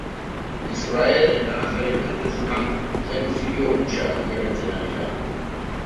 Israel eta Gazaren gatazka genozidio hutsa bilakatzen ari da.